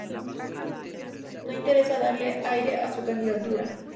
No interesa darle aire a su candidatura.